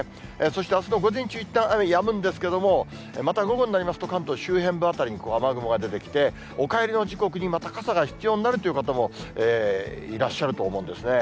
そしてあすの午前中、いったん雨やむんですけれども、また午後になりますと、関東周辺部辺りに雨雲が出てきて、お帰りの時刻に、また傘が必要になるという方もいらっしゃると思うんですね。